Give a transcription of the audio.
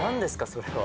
それは。